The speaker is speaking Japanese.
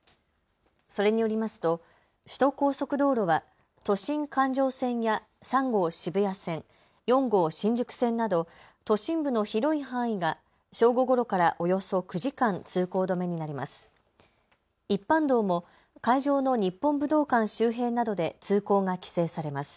それによりますと首都高速道路は都心環状線や３号渋谷線、４号新宿線など都心部の広い範囲が正午ごろからおよそ９時間通行止めになります。